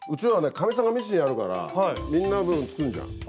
かみさんがミシンやるからみんなの分作るじゃん。